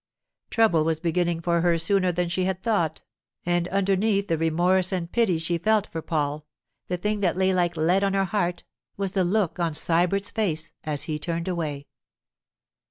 Trouble was beginning for her sooner than she had thought, and underneath the remorse and pity she felt for Paul, the thing that lay like lead on her heart was the look on Sybert's face as he turned away.